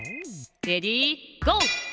レディーゴー！